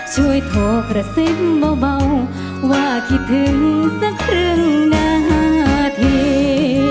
ช่วยโทรกระซิบเบาว่าคิดถึงสักครึ่งนาที